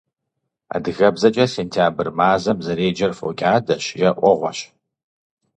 Адыгэбзэкӏэ сентябрь мазэм зэреджэр фокӀадэщ е Ӏуэгъуэщ.